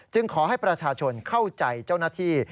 จึงขอให้ประชาชนเข้าใจเจ้านาที